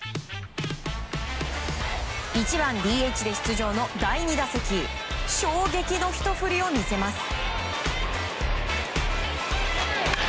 １番ＤＨで出場の第２打席衝撃のひと振りを見せます。